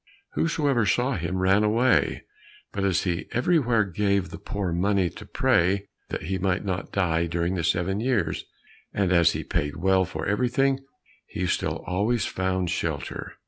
Whosoever saw him, ran away, but as he everywhere gave the poor money to pray that he might not die during the seven years, and as he paid well for everything he still always found shelter.